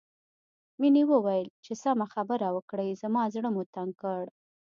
مينې وويل چې سمه خبره وکړئ زما زړه مو تنګ کړ